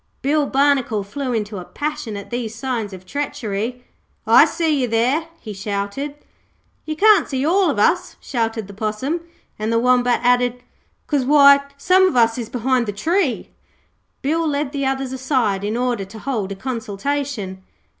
Bill Barnacle flew into a passion at these signs of treachery. 'I see you there,' he shouted. 'You can't see all of us,' shouted the Possum, and the Wombat added, ''Cause why, some of us is behind the tree.' Bill led the others aside, in order to hold a consultation.